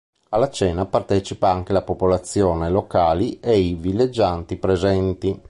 Alla cena partecipa anche la popolazione locali e i villeggianti presenti.